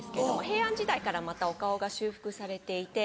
平安時代からまたお顔が修復されていて。